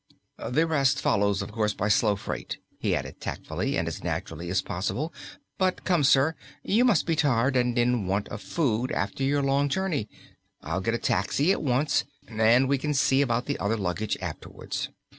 "The rest follows, of course, by slow freight," he added tactfully, and as naturally as possible. "But come, sir, you must be tired and in want of food after your long journey. I'll get a taxi at once, and we can see about the other luggage afterwards."